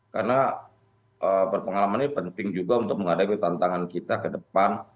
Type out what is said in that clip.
karena pengalaman ini penting juga untuk mengadakan tantangan kita ke depan